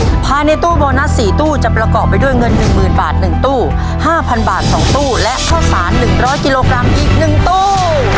ภายในตู้โบนัส๔ตู้จะประกอบไปด้วยเงิน๑๐๐๐บาท๑ตู้๕๐๐บาท๒ตู้และข้าวสาร๑๐๐กิโลกรัมอีก๑ตู้